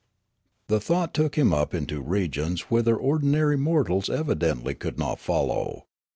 The thought took him up into regions whither ordi nary mortals evidently could not follow.